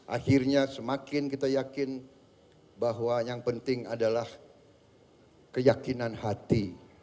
akhirnya semakin kita yakin bahwa yang penting adalah keyakinan hati